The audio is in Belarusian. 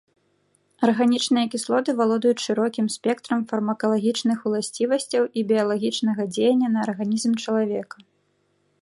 Арганічныя кіслоты валодаюць шырокім спектрам фармакалагічных уласцівасцяў і біялагічнага дзеяння на арганізм чалавека.